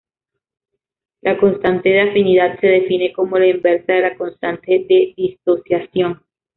La constante de afinidad se define como la inversa de la constante de disociación.